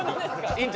院長